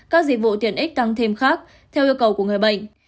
các dịch vụ tiện ích tăng thêm khác theo yêu cầu của người bệnh